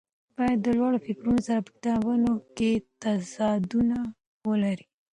باید د لوړو فکرونو سره په کتابونو کې تضادونه ولري.